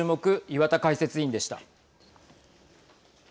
岩田解説委員でした。